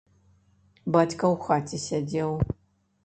Бацька ў хаце сядзеў.